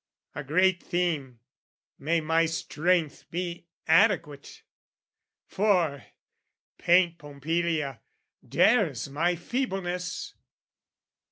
A great theme: may my strength be adequate! For paint Pompilia, dares my feebleness?